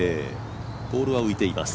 ボールは浮いています